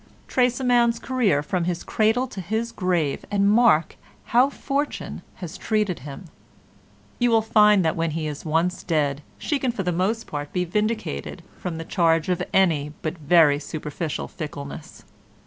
Trace a man's career from his cradle to his grave and mark how Fortune has treated him. You will find that when he is once dead she can for the most part be vindicated from the charge of any but very superficial fickleness.